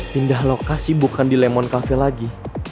pindah lokasi bukan di lemon kafe lagi